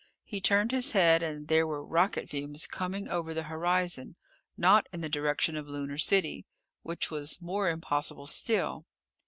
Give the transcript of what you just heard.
He turned his head, and there were rocket fumes coming over the horizon, not in the direction of Lunar City. Which was more impossible still.